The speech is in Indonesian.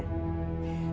tau juga tahun depan